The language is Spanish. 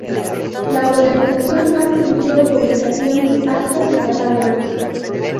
La organización ha producido publicaciones, actas y catálogos.